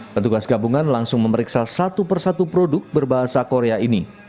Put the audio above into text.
petugas gabungan langsung memeriksa satu persatu produk berbahasa korea ini